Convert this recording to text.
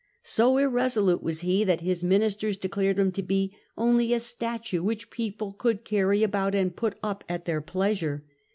So irresolute was he, that his own ministers declared him to be only a statue which people could carry about and put up at their pleasure.